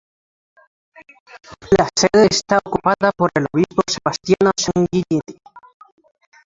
La sede está ocupada por el obispo Sebastiano Sanguinetti.